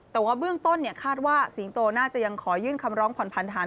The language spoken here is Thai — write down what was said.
แต่ว่าเบื้องต้นคาดว่าสิงโตน่าจะยังขอยื่นคำร้องผ่อนพันธาน